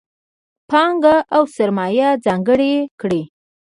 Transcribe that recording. پانګه او سرمایه ځانګړې کړي.